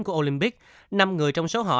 của olympic năm người trong số họ